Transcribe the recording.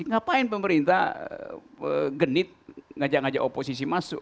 mengapa pemerintah genit mengajak ngajak oposisi masuk